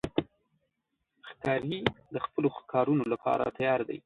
ښکاري د خپلو ښکارونو لپاره تیار دی.